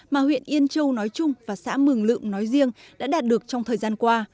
mà huyện yên châu nói chung và xã mường lượm nói riêng đã đạt được trong thời gian qua